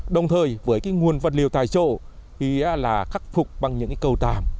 đồng thời với cái nguồn vật liệu tại chỗ thì là khắc phục bằng những cái cầu tàm